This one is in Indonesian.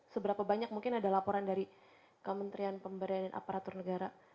seberapa banyak mungkin ada laporan dari kementerian pemberdayaan dan aparatur negara